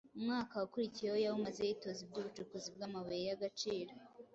Umwaka wakurikiyeho yawumaze yitoza iby’ubucukuzi bw’amabuye yagaciro.